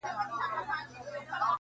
کابل کې عامه نظم خراباوه